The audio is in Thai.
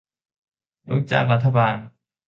ลูกจ้างรัฐบาล